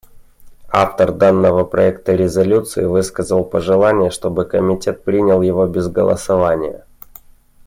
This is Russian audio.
Автор данного проекта резолюции высказал пожелание, чтобы Комитет принял его без голосования.